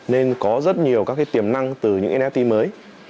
nên có rất nhiều các cái tiềm năng từ những nft mới